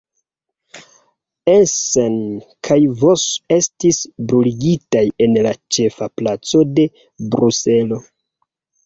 Essen kaj Vos estis bruligitaj en la ĉefa placo de Bruselo.